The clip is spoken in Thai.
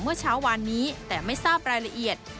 เมื่อเช้าวานนี้แต่ไม่ทราบรายละเอียด